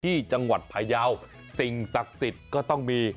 ที่จังหวัดพยาวสิ่งศักดิ์สิทธิ์ก็ต้องมี